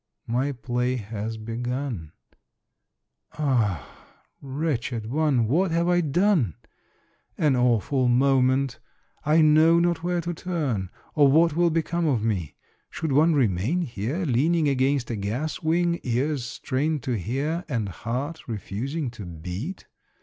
My play has begun. Ah, wretched one ! what have I done? An awful moment ! I know not where to turn, or what will become of me. Should one remain there, leaning against a gas wing, ears strained to hear, and heart refusing to beat?